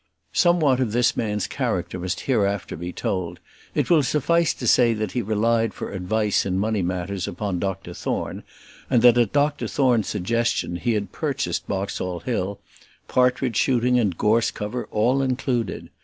Somewhat of this man's character must hereafter be told; it will suffice to say that he relied for advice in money matters upon Dr Thorne, and that at Dr Thorne's suggestion he had purchased Boxall Hill, partridge shooting and gorse cover all included.